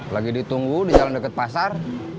lagi ditunggu di jalan dekat pasar